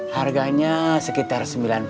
harganya sekitar sembilan puluh